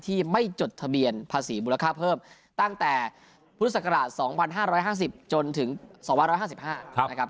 ที่ไม่จดทะเบียนภาษีมูลค่าเพิ่มตั้งแต่พุทธศักราช๒๕๕๐จนถึง๒๕๕นะครับ